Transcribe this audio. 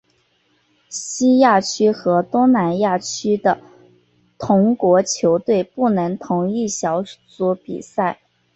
西亚区和东南亚区的同国球队不能同一小组比赛。